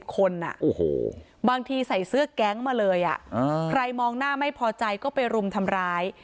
คนบางทีใส่เสื้อแก๊งมาเลยใครมองหน้าไม่พอใจก็ไปรุมทำร้าย